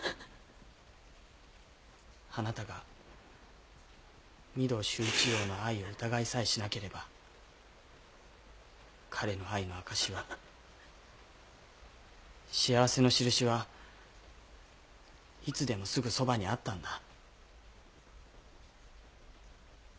あなたが御堂周一郎の愛を疑いさえしなければ彼の愛の証しは幸せの印はいつでもすぐそばにあったんだ。